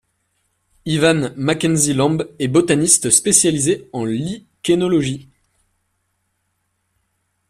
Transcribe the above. Ivan Mackenzie Lamb est botaniste spécialisé en lichénologie.